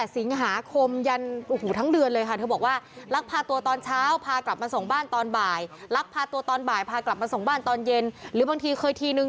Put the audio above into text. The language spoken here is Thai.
ส่งบ้านตอนเย็นหรือบางทีเคยทีนึง